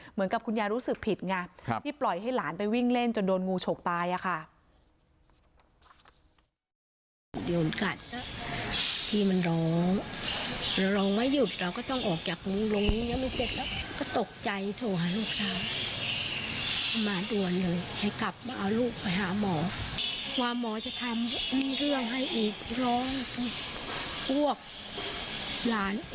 เหมือนกับคุณยายรู้สึกผิดไงที่ปล่อยให้หลานไปวิ่งเล่นจนโดนงูฉกตาย